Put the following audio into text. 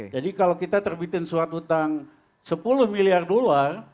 kalau kita terbitin surat utang sepuluh miliar dolar